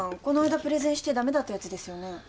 この間プレゼンして駄目だったやつですよね？